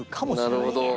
なるほど。